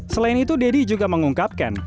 selain itu deddy juga mengungkapkan